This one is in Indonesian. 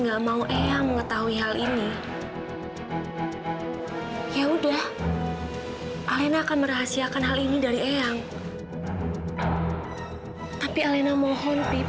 alena alena sudah